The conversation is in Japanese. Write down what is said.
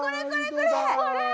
これ！